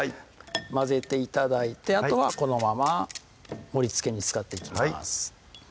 混ぜて頂いてあとはこのまま盛りつけに使っていきます